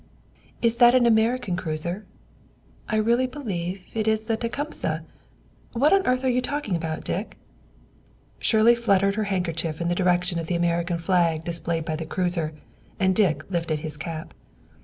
"Is that an American cruiser? I really believe it is the Tecumseh. What on earth were you talking about, Dick?" Shirley fluttered her handkerchief in the direction of the American flag displayed by the cruiser, and Dick lifted his cap.